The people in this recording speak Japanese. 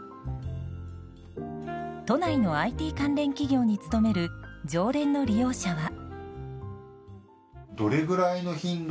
都内のＩＴ関連企業に勤める常連の利用者は。